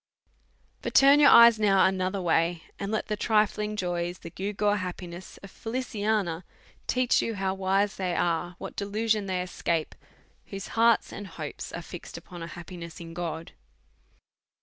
But turn your eyes now another way, and let the trifling joys, the gewgaw happiness of Feliciana, teach you how wise they are, what delusion they escape, whose hearts and hopes are fixed upon a happiness in God.